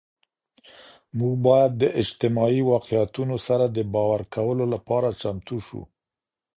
مونږ باید د اجتماعي واقعیتونو سره د باور کولو لپاره چمتو سو.